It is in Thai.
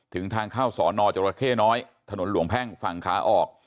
ถึงทางเข้าสอนอจรเข้น้อยถนนหลวงแพ่งฝั่งขาออก